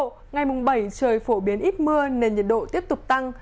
trời phổ biến ít mưa nên nhật độ tiếp tục tăng